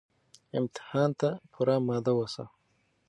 امتحان ته پوره اماده اوسه